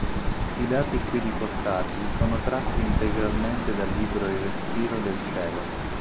I dati qui riportati sono tratti integralmente dal libro "Il respiro del cielo".